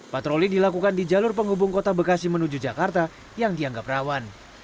patroli dilakukan di jalur penghubung kota bekasi menuju jakarta yang dianggap rawan